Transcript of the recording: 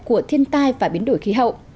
về thiên tai và biến đổi khí hậu